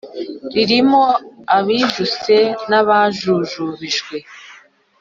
Ririmo abijuse n'abajujubijwe